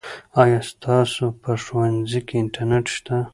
آیا ستاسو په ښوونځي کې انټرنیټ شته؟